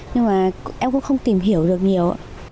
nhưng mà em cũng không tìm hiểu được nhiều